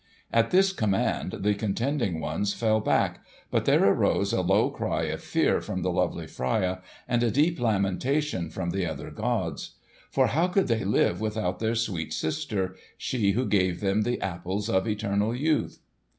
At this command the contending ones fell back, but there arose a low cry of fear from the lovely Freia and a deep lamentation from the other gods. For how could they live without their sweet sister, she who gave them the apples of eternal youth?